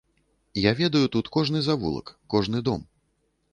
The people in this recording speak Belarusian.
Я ведаю тут кожны завулак, кожны дом.